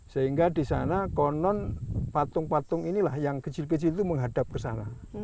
sehingga di sana konon patung patung ini lah yang kecil kecil itu menghadap kesana